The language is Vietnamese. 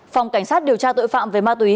phòng cảnh sát điều tra tội phạm về ma túy